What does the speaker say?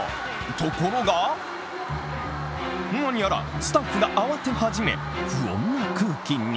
ところが何やらスタッフが慌て始め不穏な空気に。